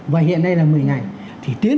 và hiện nay là một mươi ngày thì tiến